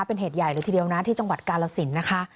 เป็นเหตุใหญ่เลยทีเดียวนะที่จังหวัดกาลสินนะคะ